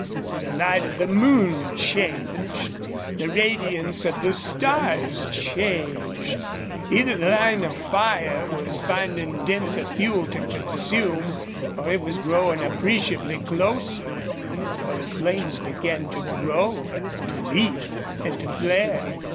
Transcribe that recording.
The light of the moon changed. The radiance of the stars changed. Either the line of fire was finding denser fuel to consume or it was growing appreciably closer, for the flames began to grow, to leap, and to flare.